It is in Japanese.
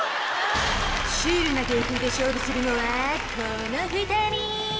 シュールな芸風で勝負するのはこの２人！